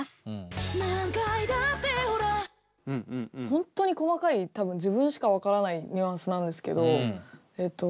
本当に細かい多分自分しか分からないニュアンスなんですけどえっと。